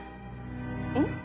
うん？